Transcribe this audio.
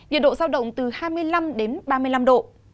nhiệt độ giao động từ hai mươi năm đến ba mươi năm độ